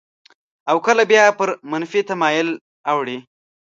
او کله بیا پر منفي تمایل اوړي.